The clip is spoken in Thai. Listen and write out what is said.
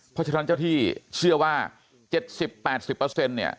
เพราะฉะนั้นเจ้าที่เชื่อว่า๗๐๘๐เนี่ย